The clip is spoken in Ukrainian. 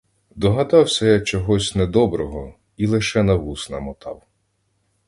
Догадався я чогось недоброго і лише на вус намотав.